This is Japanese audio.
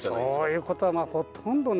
そういうことはほとんどないですね。